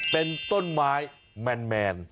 เป็นต้นไม้แมน